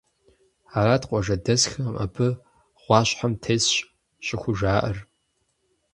Арат къуажэдэсхэм абы гъуащхьэм тесщ щӀыхужаӀэр.